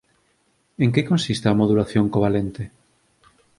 En que consiste a modulación covalente?